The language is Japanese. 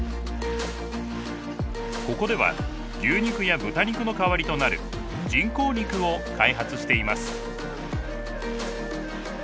ここでは牛肉や豚肉の代わりとなる人工肉を開発しています。